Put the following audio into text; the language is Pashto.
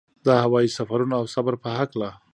د هوايي سفرونو او صبر په هکله.